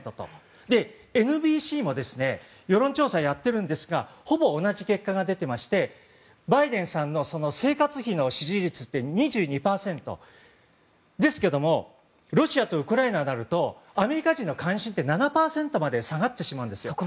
ＮＢＣも世論調査をやっているんですがほぼ同じ結果が出ていましてバイデンさんの生活費の支持率って２２％ですけれどもロシアとウクライナになるとアメリカ人の関心って７％まで下がってしまうんですよ。